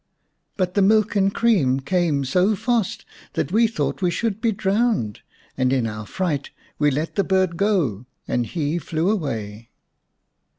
But the milk and cream came so fast that we thought we should be drowned, and in our fright we let the bird go and he flew away."